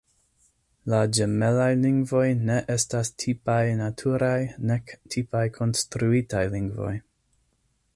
La ĝemelaj lingvoj ne estas tipaj naturaj nek tipaj konstruitaj lingvoj.